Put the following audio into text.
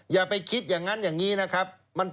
อย่าไปคิดอย่างนั้นอย่างนี้นะครับ